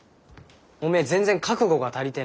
おめえ全然覚悟が足りてねえ。